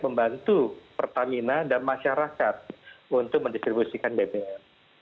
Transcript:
membantu pertamina dan masyarakat untuk mendistribusikan bbm